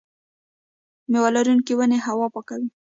میوه لرونکې ونې هوا پاکوي.